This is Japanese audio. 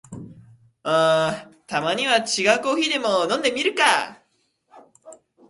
たまには違うコーヒーでも飲んでみるか